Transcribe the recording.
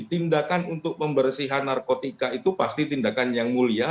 tindakan untuk pembersihan narkotika itu pasti tindakan yang mulia